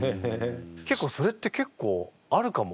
結構それって結構あるかも。